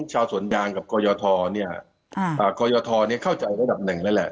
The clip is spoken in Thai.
ชาวสวนยางกับกรยทกรยทเข้าใจระดับหนึ่งแล้วแหละ